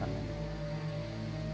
jangan harap berhubungan dengan orang lain